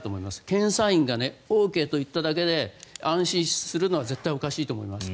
検査員がＯＫと言っただけで安心するのは絶対おかしいと思います。